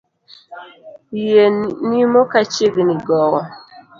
Yie nimo ka chiegni gowo